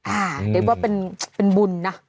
อ่าเด็กว่าว่าเป็นบุญน่ะ